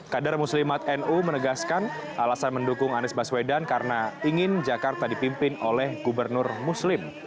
kader muslimat nu menegaskan alasan mendukung anies baswedan karena ingin jakarta dipimpin oleh gubernur muslim